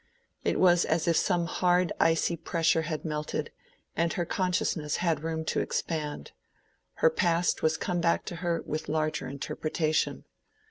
It was as if some hard icy pressure had melted, and her consciousness had room to expand: her past was come back to her with larger interpretation.